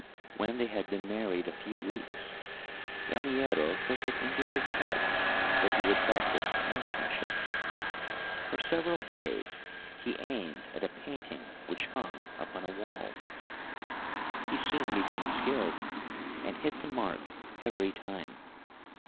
When they had been married a few weeks, Raniero took it into his head that he would practice marksmanship. For several days he aimed at a painting which hung upon a wall. He soon became skilled, and hit the mark every time.